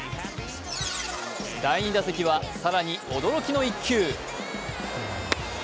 第２打席は更に驚きの一球。